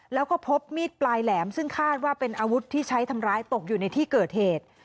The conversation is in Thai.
แล้วก็พบมีดปลายแหลมซึ่งคาดว่าเป็นอาวุธที่ใช้ทำร้ายตกอยู่ในที่เกิดเหตุ